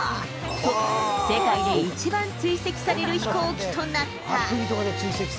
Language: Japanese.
と、世界で一番追跡される飛行機となった。